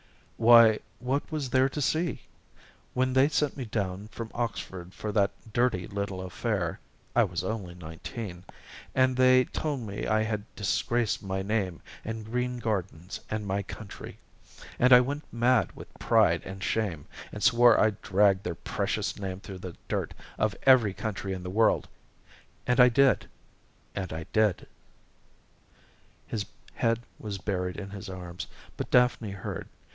"Why, what was there to see? When they sent me down from Oxford for that dirty little affair, I was only nineteen and they told me I had disgraced my name and Green Gardens and my country and I went mad with pride and shame, and swore I'd drag their precious name through the dirt of every country in the world. And I did and I did." His head was buried in his arms, but Daphne heard.